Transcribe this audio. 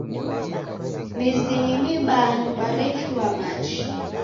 Mizinyi mibaa nyumba rechua machi.